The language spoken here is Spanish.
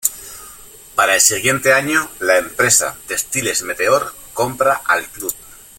Para el siguiente año, la empresa de Textiles Meteor compra al club.